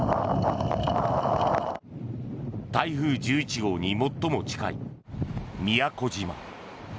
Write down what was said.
台風１１号に最も近い宮古島。